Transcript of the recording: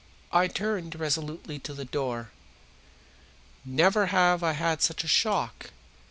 I turned resolutely to the door. Never have I had such a shock!